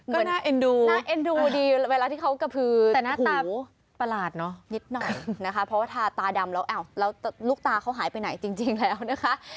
ก็น่าเอ็นดูดีเวลาที่เขากระพือหูนิดหน่อยนะคะเพราะว่าทาตาดำแล้วลูกตาเขาหายไปไหนจริงแล้วนะคะ